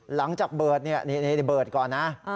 หลังจากเบิร์ดนี่เบิร์ดก่อนนะ